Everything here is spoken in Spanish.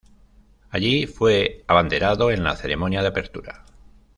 Allí fue abanderado en la ceremonia de apertura.